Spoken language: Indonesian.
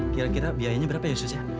kira kira biayanya berapa ya sus ya